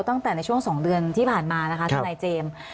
ตั้งแต่ในช่วง๒เดือนที่ผ่านมานะคะทนายเจมส์